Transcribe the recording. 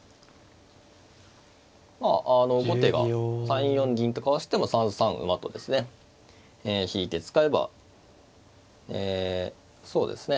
まあ後手が３四銀とかわしても３三馬とですね引いて使えばえそうですね